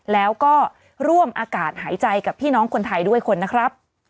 แล้วก็ร่วมอากาศหายใจกับพี่น้องคนไทยด้วยคนนะครับ